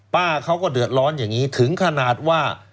ป้าเขาก็เดือดร้อนอย่างนี้ถึงขนาดว่า